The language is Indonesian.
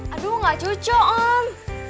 aduh gak cocok om